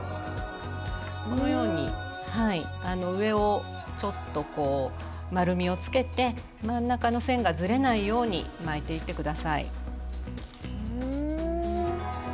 このように上をちょっとこう丸みをつけて真ん中の線がずれないように巻いていって下さい。